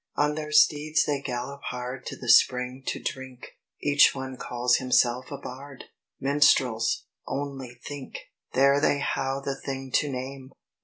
"On their steeds they galop hard To the spring to drink, Each one calls himself a bard Minstrels only think! "There they how the thing to name!